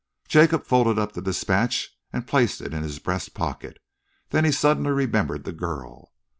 Jacob folded up the dispatch and placed it in his breast pocket. Then he suddenly remembered the girl.